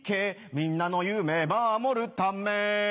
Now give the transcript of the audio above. みんなの夢まもるため